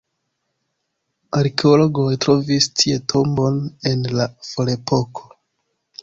Arkeologoj trovis tie tombon el la ferepoko.